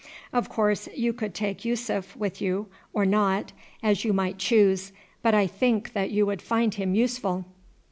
Of course you could take Yussuf with you or not as you might choose; but I think that you would find him useful."